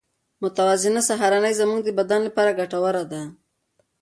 متوازنه سهارنۍ زموږ د بدن لپاره ګټوره ده.